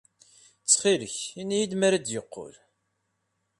Ttxil-k, ini-iyi-d mi ara d-yeqqel.